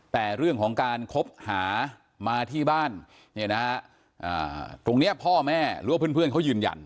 แต่เรื่องของการคบหามาที่บ้านตรงนี้พ่อแม่หรือว่าเพื่อนเขายืนยัน